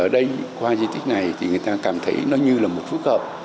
dấu tích này thì người ta cảm thấy nó như là một phức hợp